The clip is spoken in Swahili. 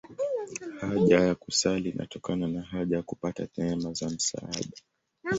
Haja ya kusali inatokana na haja ya kupata neema za msaada.